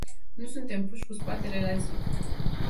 Nu suntem puși cu spatele la zid.